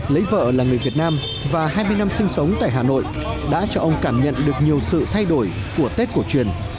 lấy vợ là người việt nam và hai mươi năm sinh sống tại hà nội đã cho ông cảm nhận được nhiều sự thay đổi của tết cổ truyền